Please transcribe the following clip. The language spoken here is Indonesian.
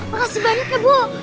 makasih banyak ya bu